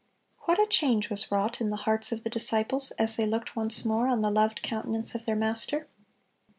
What a change was wrought in the hearts of the disciples, as they looked once more on the loved countenance of their Master!